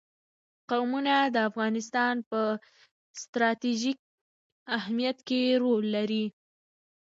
قومونه د افغانستان په ستراتیژیک اهمیت کې رول لري.